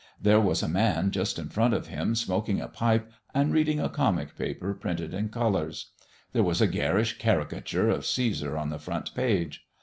There was a man just in front of him smoking a pipe and reading a comic paper printed in colors. There was a garish caricature of Cæsar on the front page.